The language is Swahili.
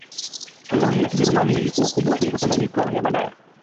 Koloni la Kijerumani lilikuwa kubwa kuliko Tanganyika ya baadaye